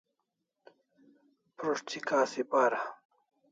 Prus't thi kasi para